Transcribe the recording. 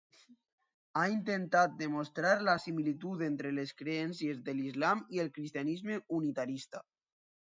Ha intentat demostrar la similitud entre les creences de l'islam i el cristianisme unitarista.